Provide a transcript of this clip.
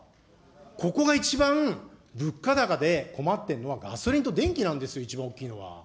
ここが一番物価高で困ってるのはガソリンと電気なんですよ、一番大きいのは。